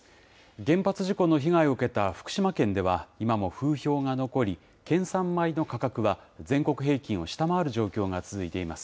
原発事故の被害を受けた福島県では今も風評が残り、県産米の価格は全国平均を下回る状況が続いています。